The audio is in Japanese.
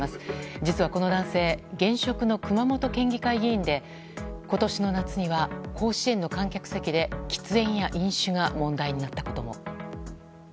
実は、この男性現職の熊本県議会議員で今年の夏には、甲子園の観客席で喫煙や飲酒が問題になったことも。